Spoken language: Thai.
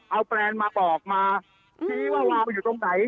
เอาแปลนมาปอกผีว่าเราอยู่ตรงไหน